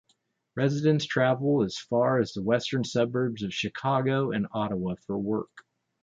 Residents travel as far as the western suburbs of Chicago and Ottawa for work.